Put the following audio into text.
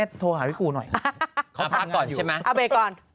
เอาเบรกก่อน